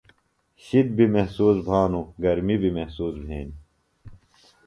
شِد بیۡ محسوس بھانوۡ گرمی بیۡ محسوس بھینیۡ۔